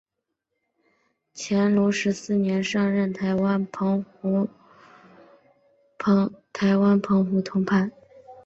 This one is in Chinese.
乾隆十四年上任台湾澎湖通判。